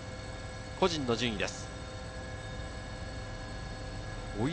個人の順位です。